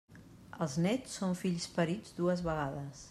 Els néts són fills parits dues vegades.